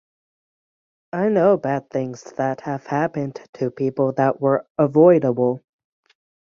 I know bad things that have happened to people that were avoidable.